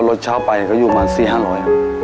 ก็รถชาวไปก็อยู่มา๔๐๐๕๐๐บาท